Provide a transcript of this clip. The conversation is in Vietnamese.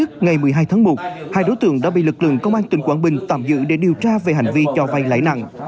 gần đê nhất ngày một mươi hai tháng một hai đối tượng đã bị lực lượng công an tìm quảng bình tạm giữ để điều tra về hành vi cho vay lãi nặng